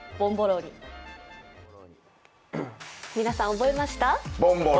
皆さん、覚えました？